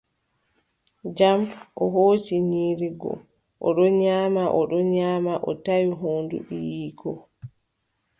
Jam, o hooci nyiiri goo, o ɗon nyaama, o ɗon nyaama, o tawi hoondu ɓiyiiko .